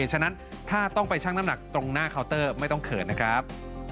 ฉะนั้นถ้าต้องไปชั่งน้ำหนักตรงหน้าเคาน์เตอร์ไม่ต้องเขินนะครับ